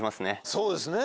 そうですね。